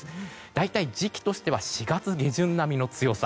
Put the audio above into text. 大体、時期としては４月下旬並みの強さ。